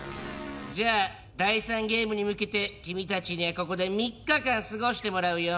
じゃあ第３ゲームに向けて君たちにはここで３日間過ごしてもらうよ。